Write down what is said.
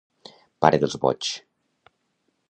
Pare dels boigs.